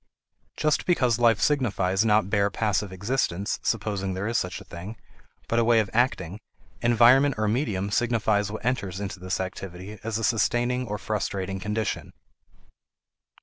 Just because life signifies not bare passive existence (supposing there is such a thing), but a way of acting, environment or medium signifies what enters into this activity as a sustaining or frustrating condition.